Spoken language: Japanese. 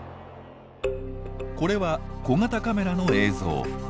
これは小型カメラの映像。